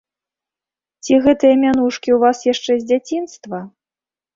Ці гэтыя мянушкі ў вас яшчэ з дзяцінства?